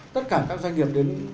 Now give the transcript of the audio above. tất cả các doanh nghiệp đến